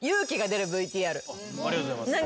ありがとうございます。